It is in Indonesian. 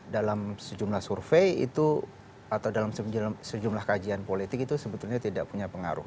dalam sejumlah survei itu atau dalam sejumlah kajian politik itu sebetulnya tidak punya pengaruh